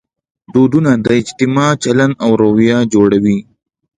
دودونه د اجتماع چلند او رویه جوړوي.